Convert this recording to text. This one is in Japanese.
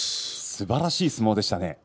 すばらしい相撲でした。